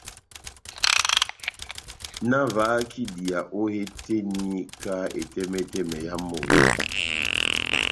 Nahavahak' idiya ó hé tɛ́h eni ka etɛmɛtɛmɛ yá moto.